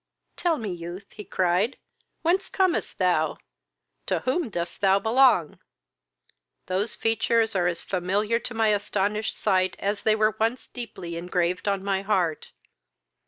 "Tell me, youth, (he cried,) whence comest thou? to whom dost thou belong? Those features are as familiar to my astonished sight as they were once deeply engraved on my heart.